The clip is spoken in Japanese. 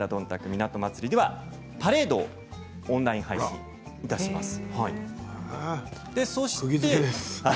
港まつりではパレードをオンライン配信いたします。